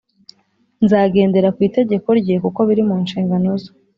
Nzagendera ku itegeko rye kuko biri munshingano ze